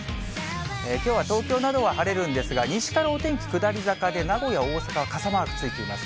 きょうは東京などは晴れるんですが、西からお天気、下り坂で、名古屋、大阪は傘マークついています。